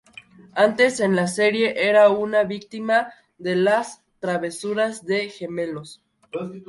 Antes en la serie, era una víctima de las travesuras de gemelos.